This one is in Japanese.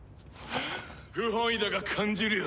不本意だが感じるよ